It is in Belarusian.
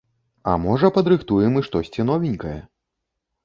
А можа, падрыхтуем і штосьці новенькае.